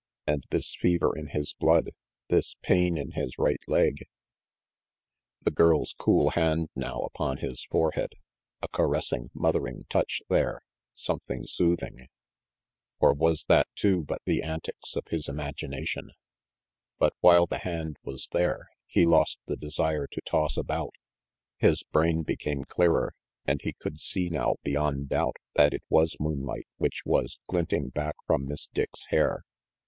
And this fever in his blood, this pain in his right leg The girl's cool hand now upon his forehead. A caressing, mothering touch there, something soothing. 380 RANGY PETE Or was that, too, but the antics of his imaginatioi But while the hand was there, he lost his desire to toss about, his brain became clearer, and he could see now beyond doubt that it was moonlight which was glinting back from Miss Dick's hair.